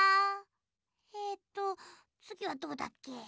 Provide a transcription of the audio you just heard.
えっとつぎはどうだっけ？